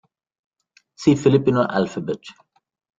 See Filipino alphabet.